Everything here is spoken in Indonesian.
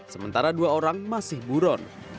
sementara dua orang masih buron